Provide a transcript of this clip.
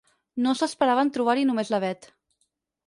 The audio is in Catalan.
No s'esperaven trobar-hi només la Bet.